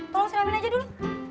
tolong si ramin aja dulu